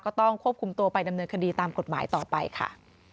ก็ต้องควบคุมตัวไปดำเนินคดีตามกฎหมายต่อไปค่ะ